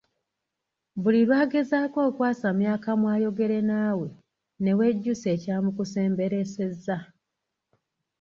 Buli lwagezaako okwasamya akamwa ayogere naawe newejjusa ekyamukusemberesezza.